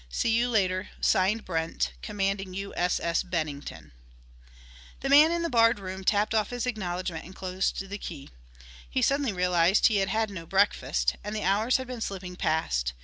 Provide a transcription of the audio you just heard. See you later. Signed, Brent, commanding U. S. S. Bennington." The man in the barred room tapped off his acknowledgement and closed the key. He suddenly realized he had had no breakfast, and the hours had been slipping past.